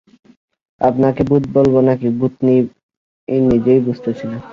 আপনাকে ভূত বলবো নাকি ভূতনী নিজেই বুঝতেছি না।